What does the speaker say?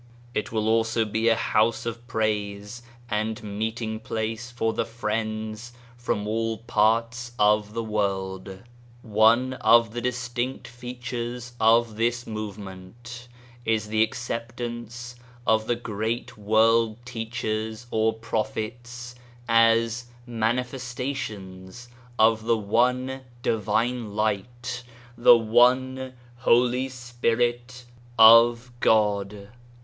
It will also be a House of Praise and meeting place for the Friends from all parts of the world. One of the distinct features of this movement is the acceptance of the great world Teachers or Prophets as ' Manifestations ' of the one Divine Light, the one Holy Spirit of God.